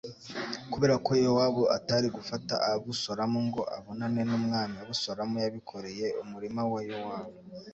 Kubera ko Yowabu atari gufata Abusalomu ngo abonane n'umwami, Abusalomu yabikoreye umurima wa Yowabu